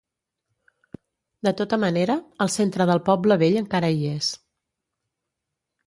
De tota manera, el centre del poble vell encara hi és.